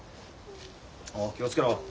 おう気を付けろ。